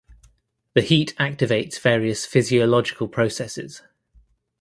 The heat activates various physiological processes.